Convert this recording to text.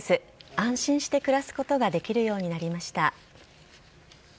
安心して暮らすことができるようになりました。